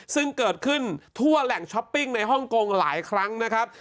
ซึ่งเกิดขึ้นทั่วแหล่งช้อปปิ้งในฮ่องกงหลายครั้งนะครับ